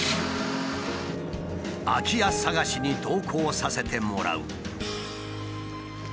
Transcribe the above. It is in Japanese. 空き家探しに同行させてもらう。